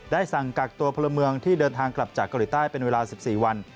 สั่งกักตัวพลเมืองที่เดินทางกลับจากเกาหลีใต้เป็นเวลา๑๔วัน